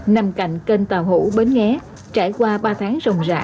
nằm cạnh kênh tàu hủ bến nghé trải qua ba tháng rồng rã